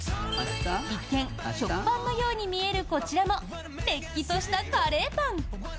一見、食パンのように見えるこちらもれっきとしたカレーパン。